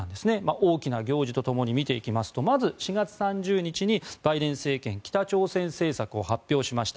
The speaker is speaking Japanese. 大きな行事と共に見ていきますとまず４月３０日にバイデン政権北朝鮮政策を発表しました。